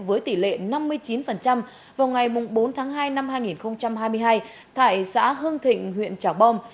với tỷ lệ năm mươi chín vào ngày bốn tháng hai năm hai nghìn hai mươi hai tại xã hưng thịnh huyện trảng bom